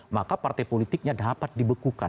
maka partai politiknya dapat dibekukan